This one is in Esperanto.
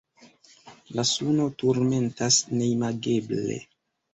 La suno turmentas neimageble.